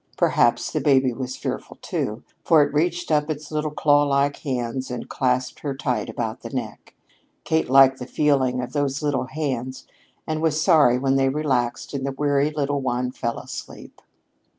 Perhaps the baby was fearful, too, for it reached up its little clawlike hands and clasped her tight about the neck. Kate liked the feeling of those little hands, and was sorry when they relaxed and the weary little one fell asleep.